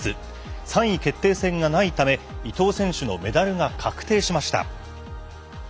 ３位決定戦がないため伊藤選手のメダルが確定しました。